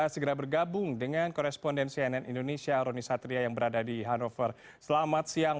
segera bergabung dengan koresponden cnn indonesia roni satria yang berada di hannover selamat siang